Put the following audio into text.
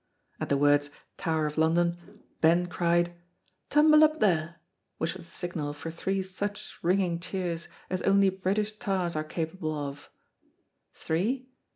At the words "Tower of London," Ben cried "Tumble up there!" which was the signal for three such ringing cheers as only British tars are capable of. Three?